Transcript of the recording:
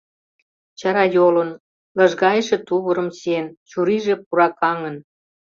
Чарайолын, лыжгайыше тувырым чиен, чурийже пуракаҥын.